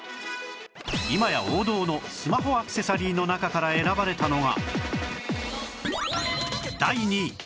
今や王道のスマホアクセサリーの中から選ばれたのが